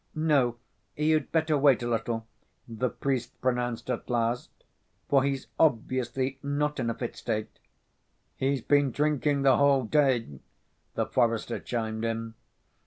"No, you'd better wait a little," the priest pronounced at last, "for he's obviously not in a fit state." "He's been drinking the whole day," the forester chimed in.